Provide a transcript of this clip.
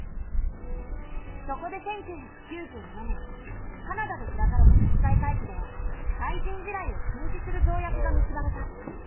そこで１９９７年カナダで開かれた国際会議で対人地雷を禁止する条約が結ばれた。